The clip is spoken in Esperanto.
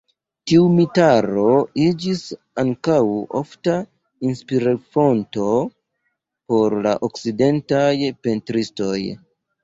Tiu mitaro iĝis ankaŭ ofta inspir-fonto por la okcidentaj pentristoj.